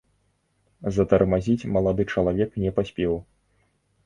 Затармазіць малады чалавек не паспеў.